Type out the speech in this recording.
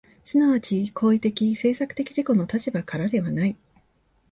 即ち行為的・制作的自己の立場からではない。